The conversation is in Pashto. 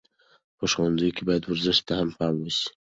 په ښوونځیو کې باید ورزش ته هم پام وسي.